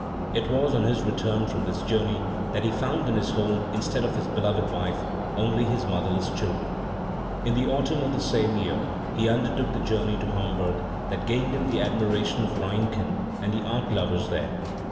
It was on his return from this journey that he found in his home, instead of his beloved wife, only his motherless children. In the autumn of the same year he undertook the journey to Hamburg that gained him the admiration of Reiiiken and the art lovers there.